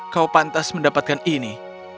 kau pantas mendapatkan ini